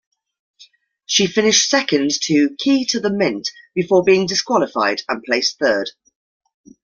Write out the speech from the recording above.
She finished second to Key to the Mint before being disqualified and placed third.